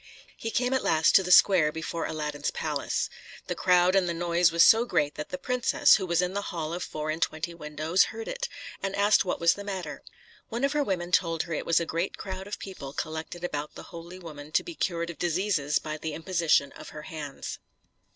He came at last to the square before Aladdin's palace. The crowd and the noise was so great that the princess, who was in the hall of four and twenty windows, heard it, and asked what was the matter. One of her women told her it was a great crowd of people collected about the holy woman to be cured of diseases by the imposition of her hands.